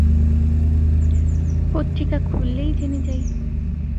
পত্রিকা খুললেই জেনে যাই।